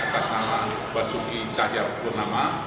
pasangan basuki cahaya purnama